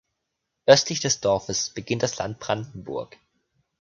Östlich des Dorfes beginnt das Land Brandenburg.